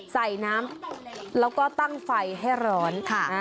ใส่น้ำแล้วก็ตั้งไฟให้ร้อน